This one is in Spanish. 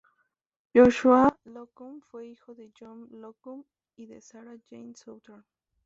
Joshua Slocum fue hijo de John Slocum y de Sarah Jane Southern.